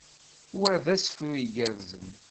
Wa d asefru igerrzen.